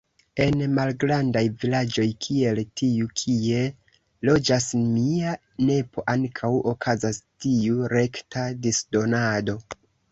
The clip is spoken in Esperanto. En malgrandaj vilaĝoj, kiel tiu kie loĝas mia nepo ankaŭ okazas tiu rekta disdonado.